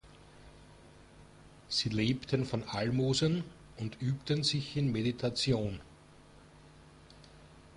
Sie lebten von Almosen und übten sich in Meditation.